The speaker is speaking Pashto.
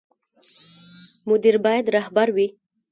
مدیر باید رهبر وي